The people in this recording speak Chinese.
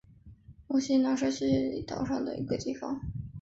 墨西拿是西西里岛上的一个地方。